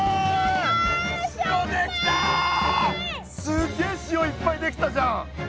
すっげえ塩いっぱい出来たじゃん。